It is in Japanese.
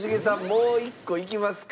もう一個いきますか？